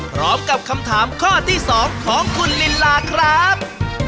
พร้อมกับคำถามข้อที่๒ของคุณลินลาครับ